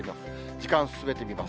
時間進めてみます。